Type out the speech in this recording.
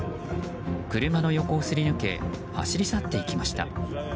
車の横をすり抜け走り去っていきました。